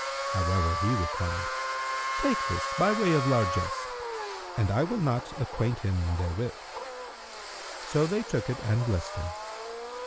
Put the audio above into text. However he replied, "Take this by way of largesse; and I will not acquaint him therewith." So they took it and blessed him.